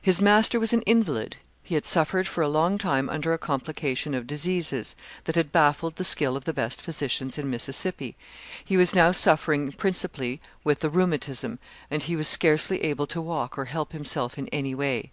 "His master was an invalid he had suffered for a long time under a complication of diseases, that had baffled the skill of the best physicians in Mississippi; he was now suffering principally with the 'rheumatism,' and he was scarcely able to walk or help himself in any way.